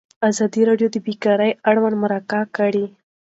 ازادي راډیو د بیکاري اړوند مرکې کړي.